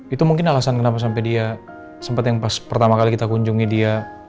itu mungkin alasan kenapa sampai dia sempat yang pas pertama kali kita kunjungi dia